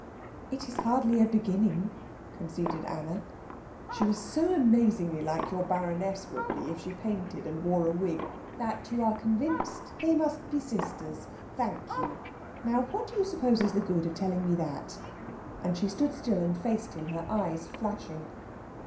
"It is hardly a beginning," conceded Anna. "She was so amazingly like your baroness would be if she painted and wore a wig " "That you are convinced they must be sisters. Thank you. Now what do you suppose is the good of telling me that?" And she stood still and faced him, her eyes flashing.